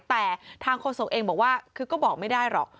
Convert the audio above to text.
แต่ทางโฆษกเองบอกว่าคือก็บอกไม่ได้หรอก